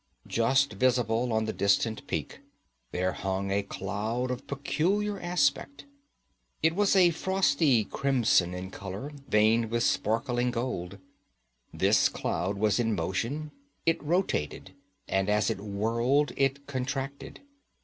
Just visible on the distant peak there hung a cloud of peculiar aspect. It was a frosty crimson in color, veined with sparkling gold. This cloud was in motion; it rotated, and as it whirled it contracted.